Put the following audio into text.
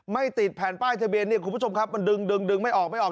ไม่ติดแผ่นป้ายทะเบียนเนี่ยคุณผู้ชมครับมันดึงดึงไม่ออกไม่ออก